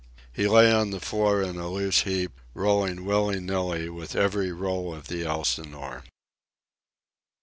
He lay on the floor in a loose heap, rolling willy nilly with every roll of the Elsinore.